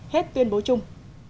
hết tuyên bố chung